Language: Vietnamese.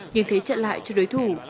nhưng thế trận lại cho đối thủ